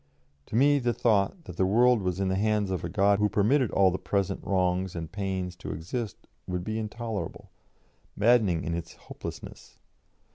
To me the thought that the world was in the hands of a God who permitted all the present wrongs and pains to exist would be intolerable, maddening in its hopelessness.